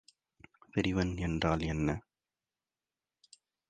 விரிவெண் என்றால் என்ன?